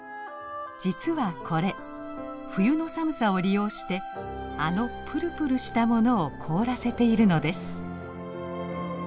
実はこれ冬の寒さを利用してあのプルプルしたものを凍らせているのです。